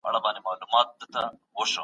که تقاضا نه وي، عرضه به بې ګټې وي.